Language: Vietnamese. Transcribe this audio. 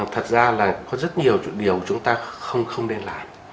thật ra là có rất nhiều điều chúng ta không nên làm